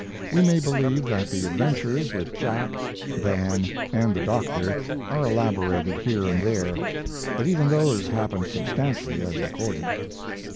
We may believe that the adventures with Jack, Dan, and the Doctor are elaborated here and there; but even those happened substantially as recorded.